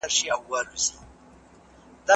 که انلاین کتابتون وي نو وخت نه ضایع کیږي.